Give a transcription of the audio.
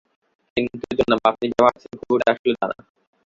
কিন্তু জনাব, আপনি যা ভাবছেন কুকুরটা আসলে তা না।